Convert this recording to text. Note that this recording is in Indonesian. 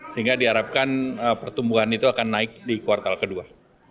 sehingga diharapkan pertumbuhan itu akan naik di kuartal kedua